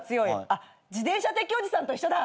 あっ自転車撤去おじさんと一緒だ。